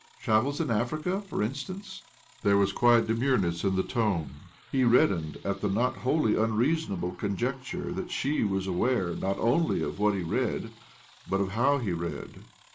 "Travels in Africa, for instance?" There was quiet demureness in thfe tone. 'He red dened at the not wholly unreasonable conjec ture that she was aware not only of what he read but of how he read.